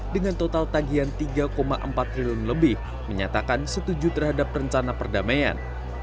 dengan total tagihan tiga empat triliun lebih menyatakan setuju terhadap rencana perdamaian